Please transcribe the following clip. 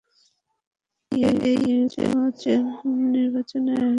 কে এই উপ-নির্বাচনের আয়োজন করেছিল জানো?